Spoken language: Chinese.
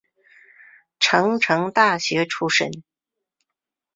成城大学出身。